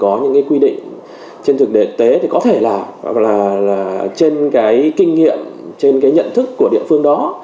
có những cái quy định trên thực tế thì có thể là trên cái kinh nghiệm trên cái nhận thức của địa phương đó